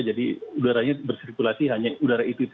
jadi udaranya bersirkulasi hanya udara itu saja